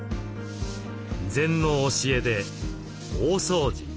禅の教えで大掃除